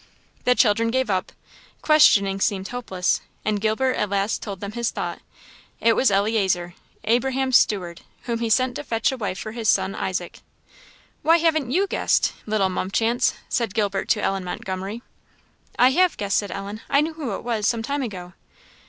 The children gave up. Questioning seemed hopeless; and Gilbert at last told them his thought. It was Eliezer, Abraham's steward, whom he sent to fetch a wife for his son Isaac. "Why haven't you guessed, little mumchance?" said Gilbert to Ellen Montgomery. "I have guessed," said Ellen; "I knew who it was, some time ago."